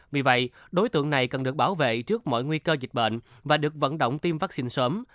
vì vậy đối tượng này cần được bảo vệ trước mọi nguy cơ dịch bệnh và được vận động tiêm vaccine sớm